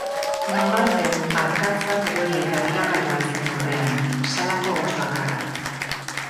Nonbaiten arkatz bat erori eta biraka joan zen lurrean, salako hots bakarra.